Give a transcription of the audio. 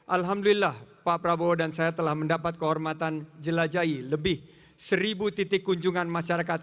alhamdulillah pak prabowo dan saya telah mendapat kehormatan jelajahi lebih seribu titik kunjungan masyarakat